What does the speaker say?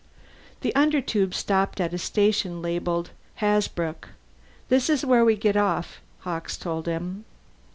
The Undertube stopped at a station labelled Hasbrouck. "This is where we get off," Hawkes told him.